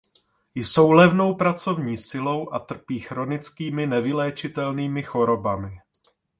Jsou levnou pracovní silou a trpí chronickými nevyléčitelnými chorobami.